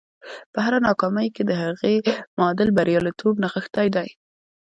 په هره ناکامۍ کې د هغې معادل بریالیتوب نغښتی دی